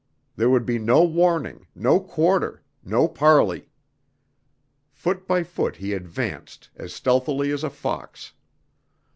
There would be no warning, no quarter, no parley. Foot by foot he advanced, as stealthily as a fox.